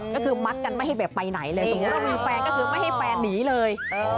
ก็คือมัดกันไม่ให้แบบไปไหนเลยสมมุติว่ามีแฟนก็คือไม่ให้แฟนหนีเลย